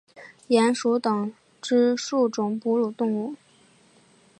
鼹属等之数种哺乳动物。